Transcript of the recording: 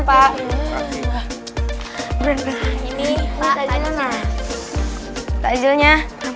ini pak takjilnya